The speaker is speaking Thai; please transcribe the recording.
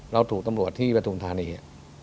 เราถูกตำรวจที่ประทุนธาณี